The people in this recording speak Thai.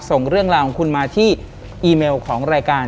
ส่งเรื่องราวของคุณมาที่อีเมลของรายการ